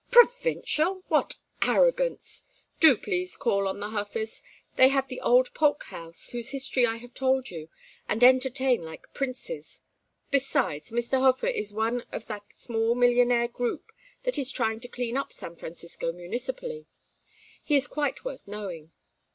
"Provincial! What arrogance! Do please call on the Hofers. They have the old Polk house, whose history I have told you, and entertain like princes. Besides, Mr. Hofer is one of that small millionaire group that is trying to clean up San Francisco municipally. He is quite worth knowing.